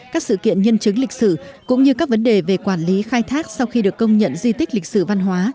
các sự kiện nhân chứng lịch sử cũng như các vấn đề về quản lý khai thác sau khi được công nhận di tích lịch sử văn hóa